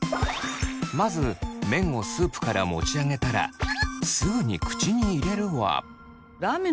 まず麺をスープから持ち上げたらすぐに口に入れるは。